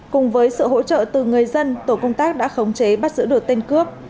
cùng với sự hỗ trợ từ người dân tổ công tác đã khống chế bắt giữ được tên cướp